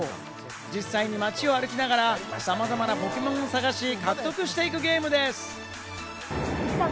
実際に街を歩きながら、さまざまなポケモンを探して、獲得していくゲームです。